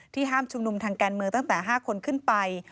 ห้ามชุมนุมทางการเมืองตั้งแต่๕คนขึ้นไป